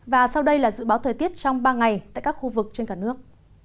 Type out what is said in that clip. và sau đây là dự báo thời tiết trong ba ngày tại các khu vực trên cả nước